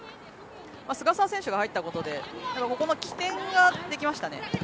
菅澤選手が入ったことで起点ができましたね。